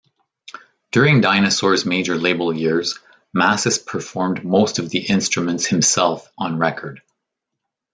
During Dinosaur's major label years, Mascis performed most of the instruments himself on record.